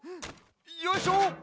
よいしょ！